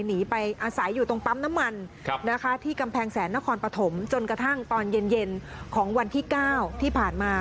หนีไปอาศัยอยู่ตรงปั๊มน้ำมันที่กำแพงแสนนครปฐมจนกระทั่งตอนเย็นของวันที่๙ที่ผ่านมา